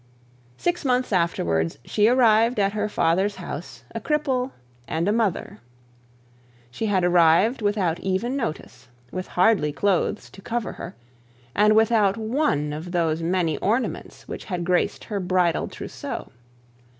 Six months afterwards she arrived at her father's house a cripple and a mother. She had arrived without even notice, with hardly clothes to cover her, and without one of those many ornaments which had graced her bridal trousseaux.